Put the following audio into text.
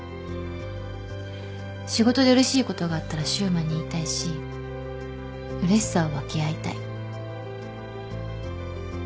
仕事でうれしいことがあったら柊磨に言いたいしうれしさを分け合いたい。